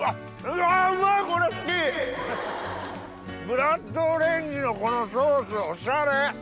ブラッドオレンジのこのソースおしゃれ！